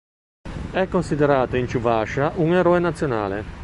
È considerato in Ciuvascia un Eroe nazionale.